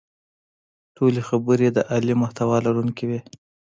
ټولې خبرې د عالي محتوا لرونکې وې.